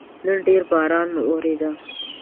نن ډېر باران وورېده